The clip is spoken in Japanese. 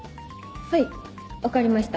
はい分かりました。